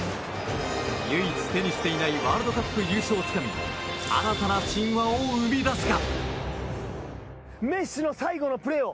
唯一手にしていないワールドカップ優勝をつかみ新たな神話を生み出すか。